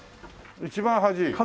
一番端。